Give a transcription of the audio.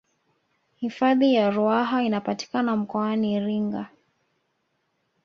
hifadhi ya ruaha inapatikana mkoani iringa